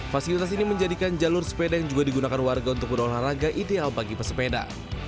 fasilitas ini menjadikan jalur sepeda yang juga digunakan warga untuk berolahraga ideal bagi pesepeda